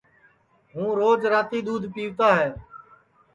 ہوں روج راتی دؔودھ پیوتا ہے